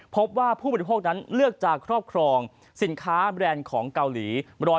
พบว่าผู้บริโภคนั้นเลือกจะครอบครองสินค้าแบรนด์ของเกาหลี